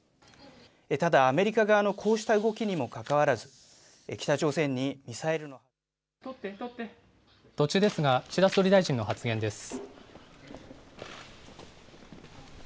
ただアメリカ側のこうした動きにもかかわらず、北朝鮮にミサイル途中ですが、岸田総理大臣の発言です。